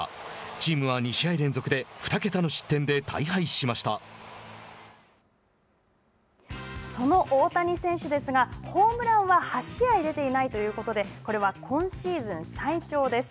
チームは２試合連続で２桁の失点でその大谷選手ですがホームランは８試合出ていないということでこれは今シーズン最長です。